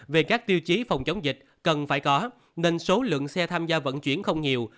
về các tiêu chí phòng chống dịch cần phải có nên số lượng xe tham gia vận chuyển không nhiều